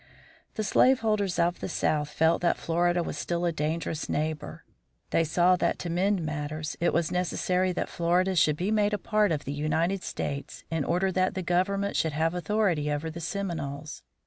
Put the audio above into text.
The slaveholders of the South felt that Florida was still a dangerous neighbor. They saw that to mend matters it was necessary that Florida should be made a part of the United States in order that the government should have authority over the Seminoles.